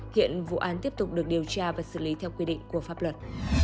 hiện vụ án tiếp tục được điều tra và xử lý theo quy định của pháp luật